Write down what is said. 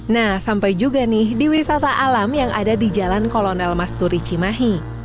nah sampai juga nih di wisata alam yang ada di jalan kolonel masturi cimahi